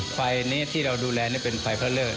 ไฟนี้ที่เราดูแลเป็นไฟเพิ่มเลือก